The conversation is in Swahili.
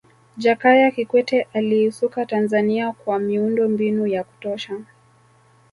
jakaya kikwete aliisuka tanzania kwa miundo mbinu ya kutosha